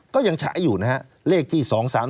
ก็ยังใช้อยู่นะฮะเลขที่๒๓๔๒๕๔๘